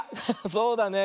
そうだね。